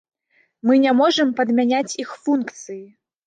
Мы не можам падмяняць іх функцыі!